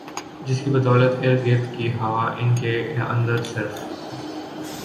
جس کی بدولت ارد گرد کی ہوا ان کے اندر صرف